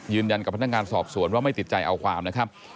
ยืนยันกับพนักงานสอบสวนว่าไม่ติดใจเอาความนะครับ